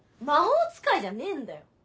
魔法使いじゃねえんだよ。